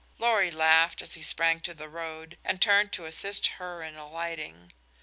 Lorry laughed as he sprang to the road and turned to assist her in alighting.